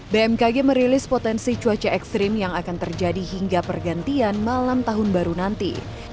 bmkg merilis potensi cuaca ekstrim yang akan terjadi hingga pergantian malam tahun baru nanti